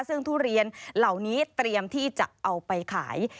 ซึ่งทุเรียนเหล่านี้เตรียมที่จะเอาไปขาย